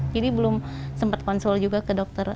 jadi belum sempat konsul juga ke dokter